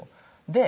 で